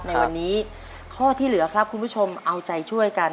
ในวันนี้ข้อที่เหลือครับคุณผู้ชมเอาใจช่วยกัน